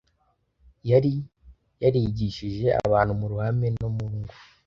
Yari yarigishije abantu mu ruhame no mu ngo,